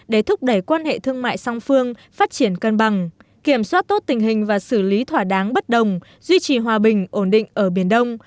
để thúc đẩy quan hệ thương mại song phương phát triển cân bằng kiểm soát tốt tình hình và xử lý thỏa đáng bất đồng duy trì hòa bình ổn định ở biển đông